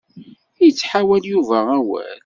Ittḥawal Yuba awal.